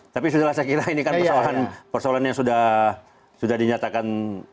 tapi setelah saya kira ini kan persoalan yang sudah dinyatakan